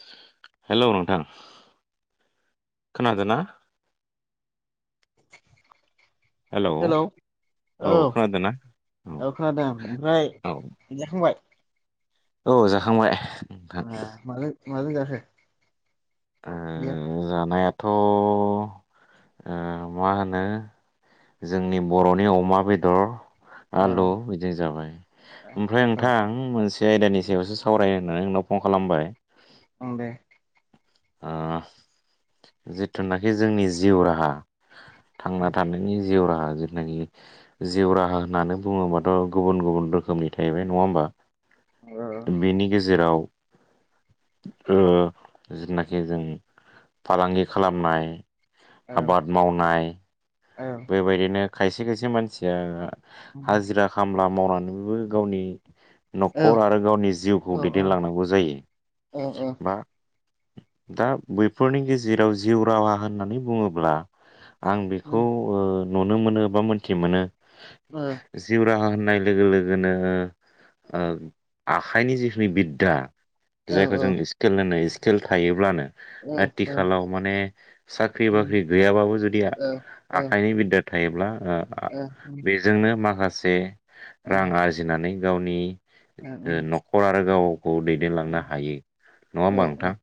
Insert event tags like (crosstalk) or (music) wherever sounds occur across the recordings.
(inaudible) Hello नोंथां खोनादोना? Hello औ खोनादों ना औ खोनादों ओमफ्राय औ जाखांबाय? औ जाखांबाय नोंथां उम माजो माजों जाखो? ओंख्रिया ओ जानायाथ' ओ मा होनो जोंनि बर'नि अमा बेदर ए आलु बिदि जाबाय ए ओमफ्राय गोथाव नोंथां मोनसे आयदानि सायावसो सावरायनो होननानै नोंनाव फन खालामबाय ओं दे ओ जिथुनाखि जोंनि जिउ राहा थांना ओं थानायनि जिउ राहा जेनाखि जिउ राहा होननानै बुङोबाथ गुबुन गुबुन रोखोमनि थाहैबाय नङा होमबा औ बेनि गेजेराव ओ जिनाखि जों फालांगि खालामनाय औ आबाद मावनाय औ बेबायदिनो खायसे खायसे मानसिया हाजिरा खामला मावनानैबो गावनि नखर आरो गावनि जिउखौ औ औ दैदेनलांनांगौ जायो ओं बा दा बैफोरनि गेजेराव जिउ राहा होननानै बुङोब्ला आं बेखौ ओं ओ नुनो मोनो बा मोनथि मोनो औ जिउ राहा हो होननाय लोगो लोगोनो ओ‌‌ आखाइनि जिखिनि बिद्दा औ जायखौ जों इस्केल होननाय इस्केल थायोब्लानो औ औ आथिखालाव माने साख्रि उम बाख्रि गैयाबाबो जुदि औ आखा औ ओ आखाइनि बिददा थायोब्ला ओ आ उम बेजोंनो माखासे ओं ओ उम रां ओं आरजिनानै गावनि औ ओ नखर आरो गावखौ दैदेनलांनो हायो नङा होमबा नोंथां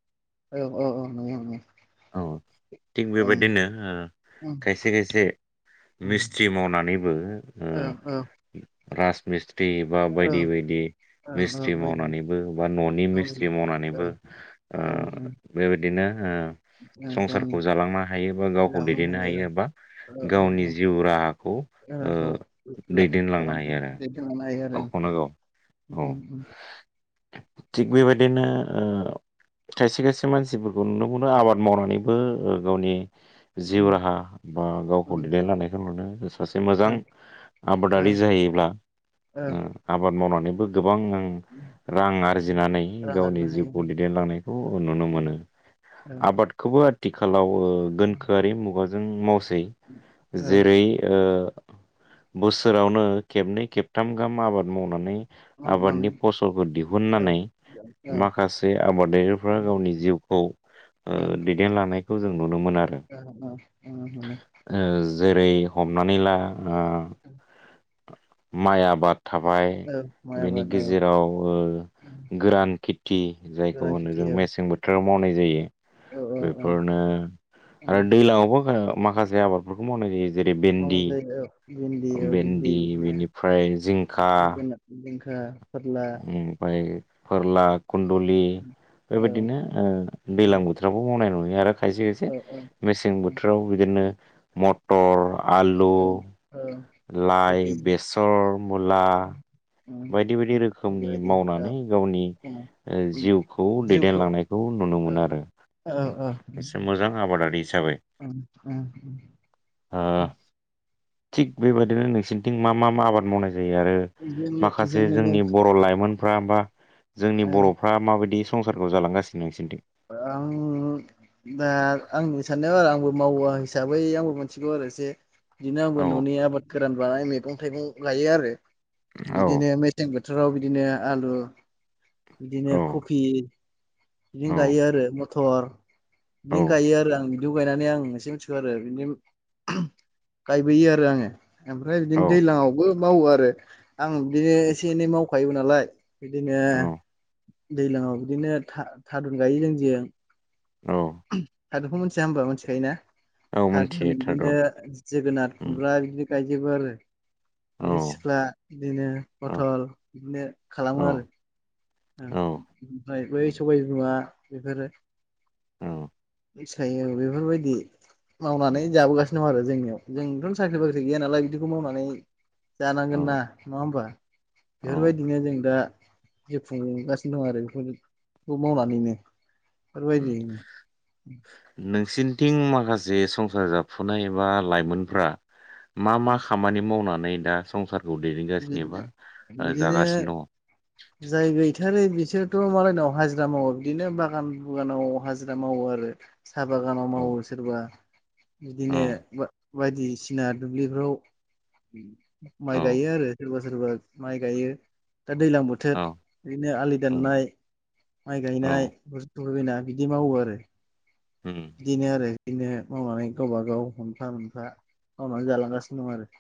औ औ औ नंगौ औ थिग ओं बेबायदिनो ओ उम खायसे खायसे मिस्थ्रि उम मावनानैबो औ औ उम राज बा औ बायदि बायदि मिस्थ्रि मावनानैबो बा ननि गावनि मिस्थ्रि मावनानैबो औ ओ गावनि बेबायदिनो ओ ओ गावनि संसारखौ जालांनो हायो बा गावखौ दैदेननो हायो बा ओ ओ गावनि ओ जिउ राहा राहाखौ दैदेनलांनो हायो आरो दैदेनलांनो हायो आरो गावखौनो गाव उम औ उम उम थिग बेबायदिनो ओ खायसे खायसे मानसिफोरखौ नुनो मोनो आबाद मावनानैबो ओ गावनि जिउ उम राहा बा गावखौ उम लिराय लानायखौ नुनो सासे मोजां ओ आबादारि जायोब्ला ओ आबाद मावनानैबो गोबां गोबां ओं रां आरजिनानै रां गावनि आरजिनो हायो जिउखौ दैदेनलांनायखौ नुनो मोनो ओ आबादखौबो आथिखालाव ओ गोनखोआरि मुगाजों मावसो हायो ओ जेरै ओ बोसोरावनो खेबनै खेबथाम गाम आबाद मावनानै मावनानै आबादनि फसलखौ औ दिहुुननानै माखासे आबादारिफ्रा गावनि जिउखौ ओ ओं दैदेनलांनायखौ जों नुनो मोनो आरो (unintelligible) मोनो ओ जेरै हमनानै ला ओ माइ आबाद थाबाय औ माइ बेनि आबाद औ गेजेराव ओ गोरान खेथि जायखौ गोरान होनो खेथि जों औ मेसें बोथोराव मावनाय जायो औ औ औ बेफोरनो उम आरो दैलांआवबो माखासे आबादफोरखौ मावनाय जायो जेरै म भेन्दि भिनदि बिदि भेन्दि बेनिफ्राय जिंखा बिदिनो बिदि बिदि आ फोरला ओमफ्राय फोरला खुन्दुलि औ बेबायदिनो औ दैजलां बोथोरावबो मावनाय नुयो आरो खायसे खायसे औ औ मेसें औ बोथोराव बिदिनो मटर आलु औ औ कफि लाइ बेसर मुला ओम बायदि बायदि रोखोमनि बायदि औ मावनानै गावनि ओम जिउखौ ओम जिउखौ दैदेनलांनायखौ नुनो औ मोनो आरो औ ओम एसे मोजां आबादारि हिसाबै ओ (unintelligible) थिग बेबायदिनो नोंसिरनिथिं मा मा मा आबाद मावनाय जायो आरो माखासे जोंनि बर' लाइमोनफ्रा बा जोंनि आं बर'फ्रा माबायदि संसारखौ जालांगासिनो नोंसोर आं दा आं साननायाव आरो आंबो मावा हिसाबै आंबो मिथिगौ आरो एसे बिदिनो औ आंबो न'नि आबाद गोरान बानाय मैगं थाइगं लायो आरो औ बिदिनो मेसें बोथोर बोथोराव बिदिनो आलु औ बिदिनो कफि औ बिदिनो गायो आरो मथर औ बिदिनो गायो आरो आं बिदिखौ गायनानै आं एसे मिथियो आरो बिनो गायबोयो आरो आङो ओमफ्राय बिदिनो औ दैलांआवबो मावो आरो आं बिदिनो एसे एनै मावखायो नालाय बिदिनो दैलांआव बिदिनो थारुन गायो जों औ थादुनखौ मोनथिया होनबा मिथिखायोना औ थादुन मोनथियो बिदिनो थारन जोगोनार औ खुमब्रा बिदि गायजोबो आरो औ मैथा सिख्ला बिदिनो पथल बिदिनो खालामो औ आरो औ ओमफ्राय बै उम, सबाइ बिमा बेफोरो औ फसायो बेफोरबायदि मावनानै उम, जाबोगासिनो दं आरो जोंनियाव जोंथ'नो साख्रि बाख्रि गैया नालाय बिदिखौ मावनानै औ जानांगोन ना नङा होमबा औ बेफोरबायदिनो जों दा जाफुंगासिनो दं आरो बेखौ बे मावनानैनो फोरबायायदि उम। (unintelligible) माखासे संसार जााबफुनाय बा लाइमोनफ्रा मा-मा खामानि मावनानै दा संसार बिदिनो बिदिनो जागासिनो जाय गैथारै बे बिसोरथ' मालायनाव हाजिरा मावो बिदिनो बागान बुगानाव हाजिरा मावो आरो साहा बागानाव दङ मावो सोरबा बिदिनो औ बायदिसिना दुब्लिफ्राव माइ औ गायो आरो सोरबा सोरबा माइ गायो दा दैलां बोथोर औ बिदिनो आलि औ दाननाय माइ गायनाय औ सौफैबायना बिदि मावो आरो उम, बिदिनो आरो बिदिनो मावनानै गावबा गाव मोनफा मोनफा मावनानै जालांगासिनो दं आरो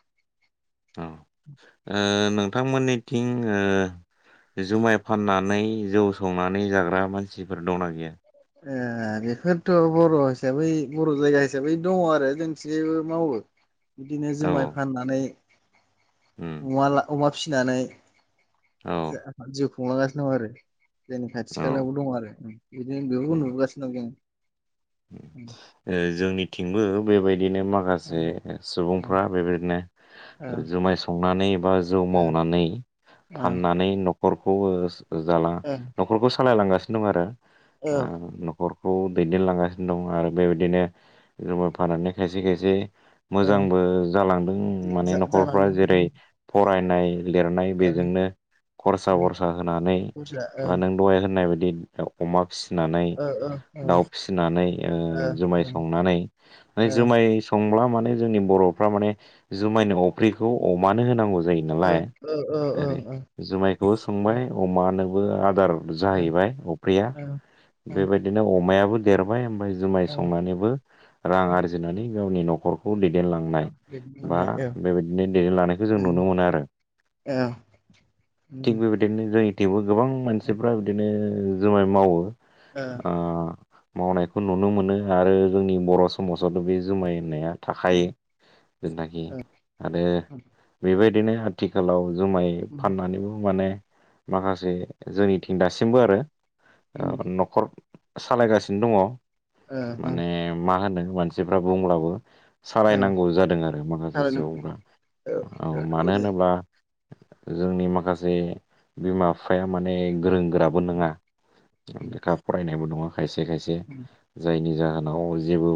औ नोंथांमोननिथिं ओ जुमाय फाननानै जौ संनानै जाग्रा मानसिफोर दंना गैया ए बेफोरथ' बर' हिसाबै बर' जायगा हिसाबै दङ आरो जोंनिथिंबो मावो बिदिनो औ जुमाय फाननानै उम अमा अमा फिसिनानै औ जिउ खुंलांगासिनो दं आरो जोंनि खाथि औ खालायावबो दङ आरो बिदि बिखौ उम नुबोगासिनो जोंनिथिंबो बेबायदि बिदिनो माखासे सुबुंफ्रा बेबायदिनो जों जुमाय संनानै बा जौ मावनानै फाननानै न'खरखौ जाला न'खरखौ सालायलांगासिनो दं आरो, औ न'खरखौ दैदेनलांगासिनो दं आरो बेबायदिनो जुमाय फाननानै खायसे-खायसे औ मोजांबो जालांदों माने न'खरफ्रा जालांदों जेरै-फरायनाय, लिरनाय बेजोंनो खरसा-बरसा होनानै, बुरजा औ बा नों दहाय होननाय बायदि अमा फिसिनानै, औ औ औ दाउ फिसिनानै, औ ओ जुमाय औ संनानै औ जुमाय सं ब्ला माने जोंनि बर'फ्रा माने जुमायनि अफ्रिखौ अमानो होनांगौ जायो औ नालाय ओरै औ जुमायखौबो संबाय अमानोबो आदार जाहैबाय अफ्रिया बेबायदिनो अमायाबो देरबाय ओमफाय जुमाय संनानैबो रां आरजिनानै गावनि न'खर दैदेनलांनाय बा औ बेबायदिनो दैदेनलांनायखौ जों औ नुनो मोनो आरो। थिग बेबायदिनो जोंनि थिंबो गोबां मानसिफ्रा बिदिनो जुमाय मावो ओ मावनाय खौ नुनो मोनो आरो जोंनि बर' समाजावथ' बे जुमाय होननाया थाखायो, जेनाखि आरो बेबायदिनो आथिखालाव जुमाय फाननानैबो माने माखासे जोंनिथिं दासिमबो आरो ओ न'खर सालायगासिनो दङ माने मा होनो मानसिफ्रा बुंब्लाबो औ सालायनांगौ जादों आरो माखासे थारैनो औ सुबुंफ्रा औ नंगौ मानो जायो। होनोब्ला जोंनि माखासे बिमा बिफाया माने गोरों गोराबो नङा उम, लेखा फरायनायबो नङा खायसे खायसे उम, जायनि जाहोनाव जेबो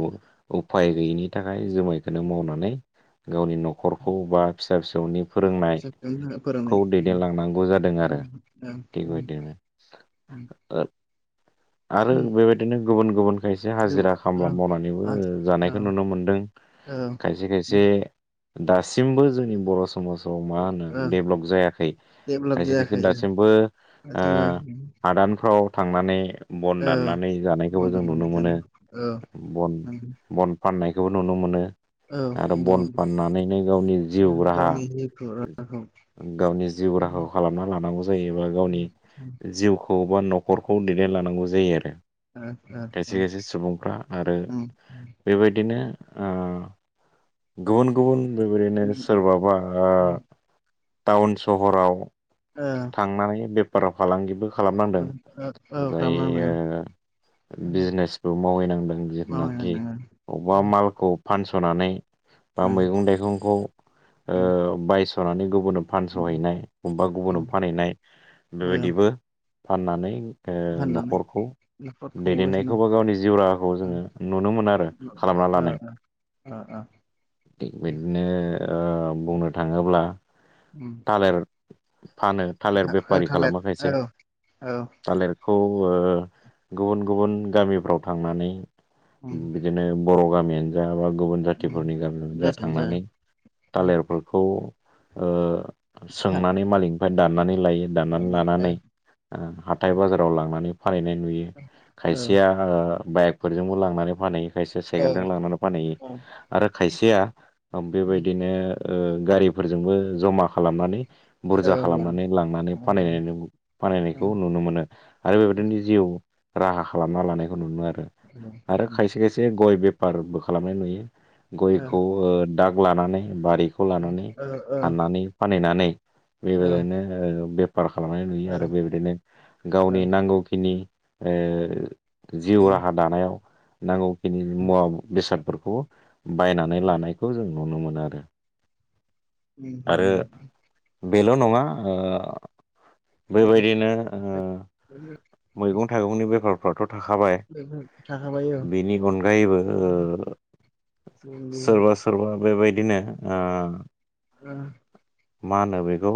उफाय गैयिनि थाखाय जुमायखौनो मावनानै गावनि न'खरखौ बा फिसा फिसौनि फोरोंनाय फिसा फिसौनि थाखाय खौ फोरोंनाय। उम, दैदेनलांनांगौ जादों उम, आरो ओं, ओं, बेबायदिनो (inaudible) आरो बेबायदिनो गुबुन गुबुन खायसे जों- हाजिरा खामला ओं, मावनानैबो आं- औ जानायखौ नुनो मोनदों औ खायसे उम, खायसे दासिमबो जोंनि बर' समाजाव मा होनो औ डेभेलप जायाखै डेभेलप खायसे खायसे जायाखै दासिमबो जोङो हादानफ्राव थांनानै बन औ दाननानै जानायखौबो बन्द' जों नुनो नांनाय मोनो जानांगौ औ बन नंगौ बन फाननायखौबो नुनो मोनो। औ आरो नंगौ बन नंगौ। फाननानैनो गावनि ओं, जिउ राहा गावनि जिउखौ राहाखौ गावनि जिउ ओ राहाखौ खालामना लानांगौ जायोबा ओ गावनि ओं, जिउखौ बा न'खरखौ दैदेन लांनांगौ जायो आरो। खायसे खायसे सुबुंफ्रा आरो उम, उम, बेबायदिनो ओ गुबुन गुबुन बेबायदिनो उम, सोरबाबा ओ उम, टाउन सहराव ओ थांनानै बेफार फालांगिबो औ खालामनांदों। ओमफ्राय खालामलांदों ओ बिजनेसबो मावहैनांदों जेथ'नाखि मावनो अबबा मालखौ फानस सनानै बा मैंगं थाइगंखौ ओ होनदों बायस'नानै गुबुननो फानस'हैनाय बबेबा गुबुननो फानहैनाय बेबायदिबो फाननानै ओ फाननानै न'खरखौ न'खर खुंबोगासिनो दैदेननायखौ बा गावनि जिउ राहाखौ दं जोङो नुनो मोनो आरो खालाम बालानो। ओ ओ थिग बिदिनो ओ बुंनो थाङोब्ला ओ थालिर फानो थालिर ओ बेफारि थालिर खालामो औ खायसे औ थालिर खौ गुबुन गुबुन गामिफ्राव थांनानै बिदिनो बर' गामियानो जा बा गुबुन जाथिफोरनि गामियाव जा थांनानै औ थालिरफोरखौ ओ सोंनानै मालिकनिफ्राय दाननानै लायो लानानै हाथाइ बाजाराव लांनानै फानहैनाय नुयो खायसेया बाइकफोरजोंबो लांनानै फानहैयो खायसेया औ साइकेलजों लांनानै फानहैयो औ आरो खायसेया बेबायदिनो ओ गारिफोरजोंबो जमा खालामनानै औ बुरजा लां खालामनानै लांनानै लां औ फानहैनायखौ नुनो मोनो आरो बेबायदिनो जिउ राहा खालामना लानायखौ नुयो आरो आरो खायसे खायसे ग'य बेफारबो खालामनाय नुयो। ग'यखौ ओ दाग लानानै बारिखौ लानानै औ हाननानै फानहैनानै औ बेबायदिनो ओ बेफार खालामनाय नुयो आरो बेबायदिनो गावनि नांगौखिनि ओ जिउ राहा दानायाव नांगौखिनि मुवा बेसादफोरखौ बायनानै लानायखौ जों नुनो मोन आरो आरो (inaudible) बेल' नङा ओ औ बेबायदिनो ओ मैगं थाइगंनि बेफारफ्राथ' थाखाबाय थाखाबाय औ बेनि अनगायैबो ओ ओ सोरबा सोरबा बेबायदिनो ओ (inaudible) मा होनो बेखौ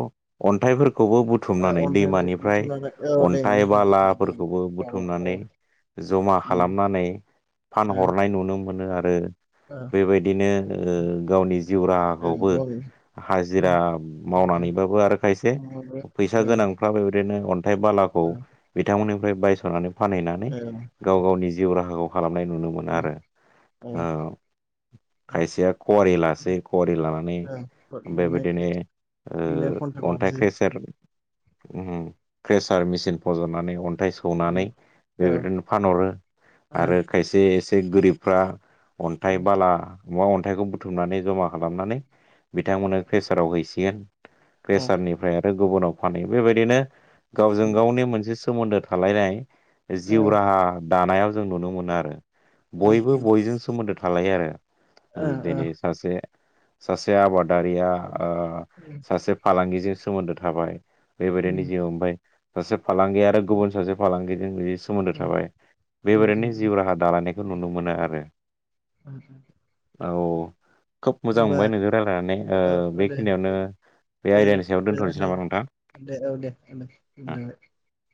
अन्थाइफोर खौबो बुथुमनानै अन्थाइफोरखौ दैमानिफ्राय बुथुमनानै औ अन्थाइ दैमानिफ्राय बालाफोरखौबो औ औ बुथुमनानै ज'मा उम खालामनानै ओ फानहरनाय नुनो मोनो आरो ओ बेबायदिनो ओ गावनि जिउ राहाखौबो ओ हाजिरा बिदिनो मावनानैबाबो आरो खायसे फैसा गोनांफोरा ओरैनो अन्थाइ बालाखौ बिथांमोननि ओमफ्राय बायस'नानै फानहैनानै गाव गावनि जिउ राहाखौ खालामनाय नुनो मोनो आरो ओ खायसेया ख'वारि लासै ख'वारि लानानै ओमफ्रायबायदिनो खन्थाइ ओ अन्थाइ लानोसै क्रेसार ओम क्रेसार मेचिन फज'नानै अन थाय सौनानै औ ओ बेबायदिनो फानहरो ओ आरो खायसे एसे गोरिबफ्रा अन्थाइ, बाला, अन्थाइखौ बुथुमनानै जमा खालामनानै बिथांमोननो क्रेसाराव हैसिगोन। क्रेसारनिफ्राय आरो गुबुनाव फानहैयो बेबायदिनो गावजों गावनि मोनसे सोमोन्दो थालायनाय ओ ओ जिउ राहा दानायाव जों नुनो मोनो आरो बयबो बयजों सोमोन्दो थालायो आरो ओ दिनै सासे सासे आबादारिया ओ उम सासे फालांगिजों सोमोन्दो थाबाय। बेबायदिनो उम जिउ ओमफफ्राय सासे फालांगि आरो गुबुन सासे फालांगिजों बिदि सोमोन्दो थाबाय उम उम बेबायादिनो जिउ राहा दालायनायखौ नुनो मोनो आरो (inaudible) औ खोब मोजां होमबा मोनबाय नोंजों रायरायनानै बेखिनियावनो बे आयदानि सायाव गोज दोनथ'नोसै नामा गोजोननाय नोंथां? थाबाय दे ओ दे।